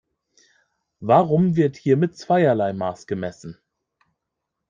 Warum wird hier mit zweierlei Maß gemessen?